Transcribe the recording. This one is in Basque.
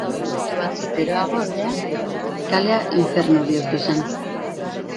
Minutu batzuk geroago ordea, kalea infernu bihurtu zen.